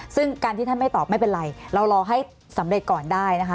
ซึ่งการที่ท่านไม่ตอบไม่เป็นไรเรารอให้สำเร็จก่อนได้นะคะ